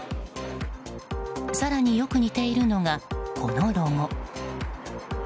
更によく似ているのが、このロゴ。